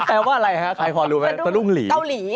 มันแปลว่าอะไรฮะใครพอรู้ไหมซะดุ้งหลี